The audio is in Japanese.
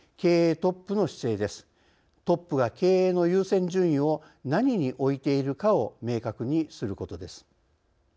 トップが経営の優先順位を何に置いているかを明確にすることです。